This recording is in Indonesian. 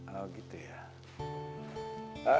oh gitu ya